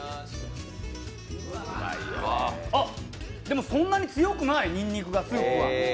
あっ、でもそんなに強くない、にんにくが、スープは。